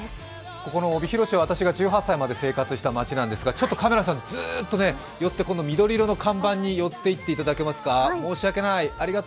ここの帯広市は私が１８歳まで生活した街なんですが、ちょっとカメラさん、ずっと寄って緑色の看板に寄っていっていただけますか？